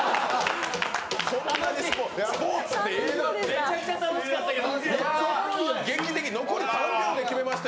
めちゃくちゃ楽しかったけど。